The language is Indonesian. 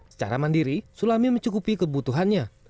secara mandiri sulami mencukupi kebutuhannya